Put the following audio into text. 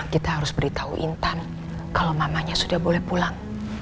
kita harus beritahu intan kalau mamanya sudah boleh pulang